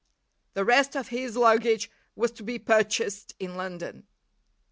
The rest of his luggage was to be purchased in London.